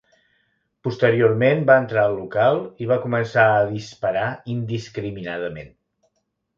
Posteriorment va entrar al local i va començar a disparar indiscriminadament.